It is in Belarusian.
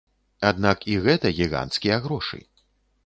Аднак і гэта гіганцкія грошы.